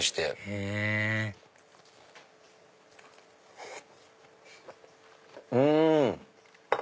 へぇうん！